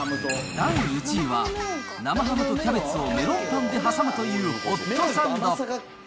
第１位は、生ハムとキャベツをメロンパンで挟むというホットサンド。